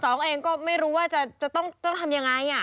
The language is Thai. สองเองก็ไม่รู้ว่าจะต้องทำอย่างไร